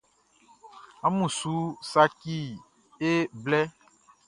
Amun su saci e blɛ.